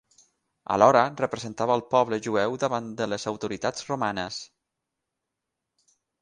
Alhora representava al poble jueu davant de les autoritats romanes.